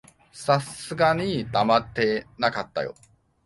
さすがに黙ってなかったよ。